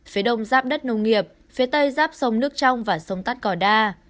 phía đông ráp đất nông nghiệp phía tây ráp sông nước trong và sông tắc cò đa